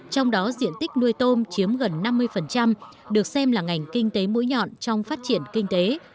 trong đó diện tích nuôi tôm chiếm gần năm mươi được xem là ngành kinh tế mũi nhọn trong phát triển kinh tế